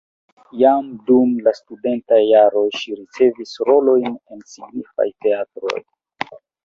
Jam dum la studentaj jaroj ŝi ricevis rolojn en signifaj teatroj.